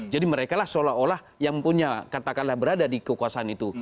jadi mereka seolah olah yang punya katakanlah berada di kekuasaan itu